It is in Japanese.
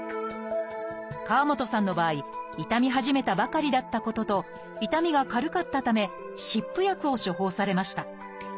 河本さんの場合痛み始めたばかりだったことと痛みが軽かったため湿布薬を処方されました。